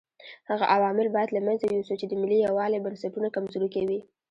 هغه عوامل باید له منځه یوسو چې د ملي یووالي بنسټونه کمزوري کوي.